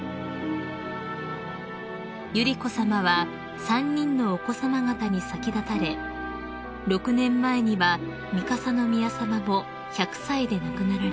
［百合子さまは３人のお子さま方に先立たれ６年前には三笠宮さまも１００歳で亡くなられました］